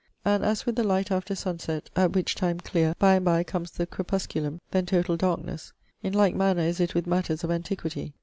And as with the light after sun sett at which time, clear; by and by, comes the crepusculum; then, totall darkenes in like manner is it with matters of antiquitie.